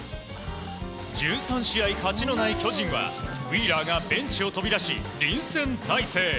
１３試合勝ちのない巨人はウィーラーがベンチを飛び出し臨戦態勢。